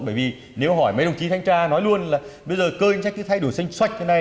bởi vì nếu hỏi mấy đồng chí thanh tra nói luôn là bây giờ cơ chính sách cứ thay đổi xanh xoạch thế này